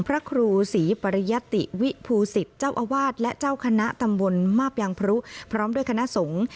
พระครูศรีปริยติวิภูสิตเจ้าอาวาสและเจ้าคณะตำบลมาบยางพรุพร้อมด้วยคณะสงฆ์